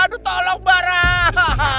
aduh tolong barah